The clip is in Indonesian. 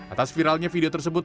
atas viralnya video tersebut